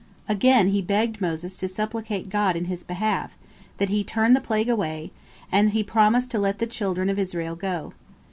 Again he begged Moses to supplicate God in his behalf, that He turn the plague away, and he promised to let the children of Israel go.